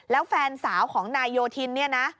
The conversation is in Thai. แล้วแฟนสาวของนายโยธิน